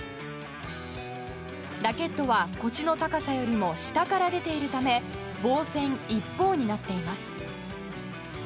ラケットは腰の高さよりも下から出ているため防戦一方になっています。